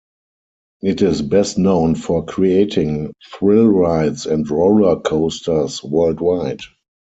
It is best known for creating thrill rides and roller coasters worldwide.